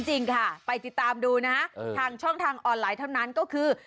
จริงค่ะไปติดตามดูนะฮะทางช่องทางออนไลน์เท่านั้นก็คือ